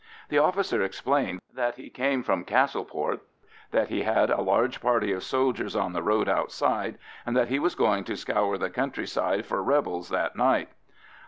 The officer explained that he came from Castleport, that he had a large party of soldiers on the road outside, and that he was going to scour the countryside for rebels that night.